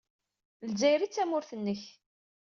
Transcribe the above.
D Lezzayer ay d tamurt-nnek.